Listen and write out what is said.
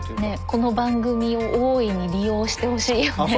この番組を大いに利用してほしいよね。